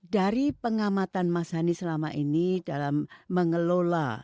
dari pengamatan mas hani selama ini dalam mengelola